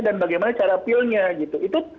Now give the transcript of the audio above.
dan bagaimana cara pilnya itu